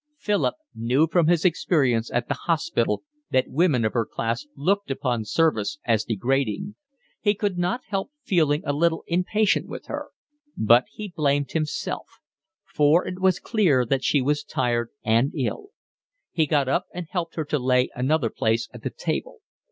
Philip knew from his experience at the hospital that women of her class looked upon service as degrading: he could not help feeling a little impatient with her; but he blamed himself, for it was clear that she was tired and ill. He got up and helped her to lay another place at the table.